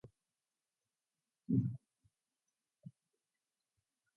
Many fully remote companies employ workers in numerous time zones.